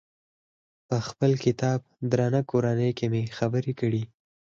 په خپل کتاب درنه کورنۍ کې مې خبرې کړي.